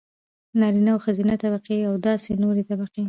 نارينه او ښځينه طبقې او داسې نورې طبقې.